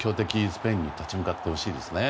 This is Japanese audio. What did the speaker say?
スペインに立ち向かってほしいですね。